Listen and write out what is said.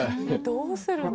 どうするの？